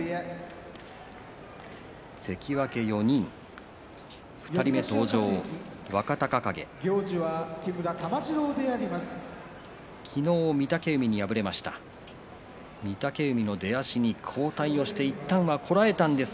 関脇４人、２人目登場、若隆景です。